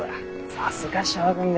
さすが将軍だ。